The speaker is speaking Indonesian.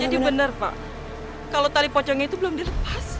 jadi bener pak kalau tali pocongnya itu belum dilepas